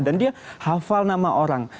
dan dia hafal nama orang